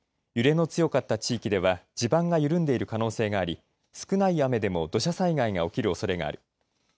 揺れの強かった地域では地盤が緩んでいる可能性があり少ない雨でも土砂災害が起きる可能性がある。